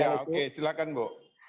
ya oke silakan bu